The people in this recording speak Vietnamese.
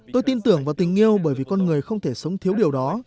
tôi tin tưởng vào tình yêu bởi vì con người không thể sống thiếu điều đó